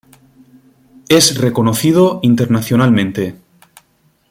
Es reconocido internacionalmente.